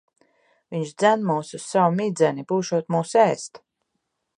Viņš dzen mūs uz savu midzeni. Būšot mūs ēst.